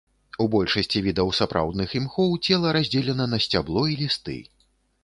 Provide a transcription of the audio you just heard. У большасці відаў сапраўдных імхоў цела раздзелена на сцябло і лісты.